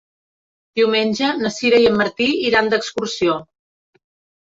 Diumenge na Sira i en Martí iran d'excursió.